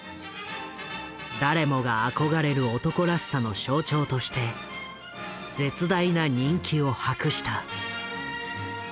誰もが憧れる男らしさの象徴として絶大な人気を博した。